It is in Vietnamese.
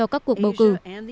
các cuộc bầu cử